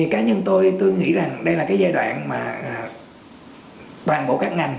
cá nhân tôi tôi nghĩ rằng đây là cái giai đoạn mà toàn bộ các ngành